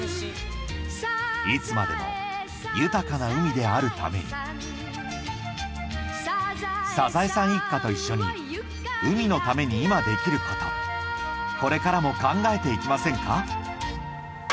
いつまでも豊かな海であるためにサザエさん一家と一緒に海のために今できることこれからも考えていきませんか？